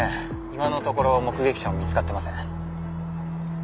今のところ目撃者も見つかってません。